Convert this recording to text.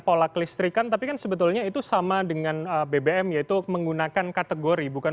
pola kelistrikan tapi kan sebetulnya itu sama dengan bbm yaitu menggunakan kategori bukan